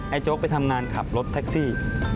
โจ๊กไปทำงานขับรถแท็กซี่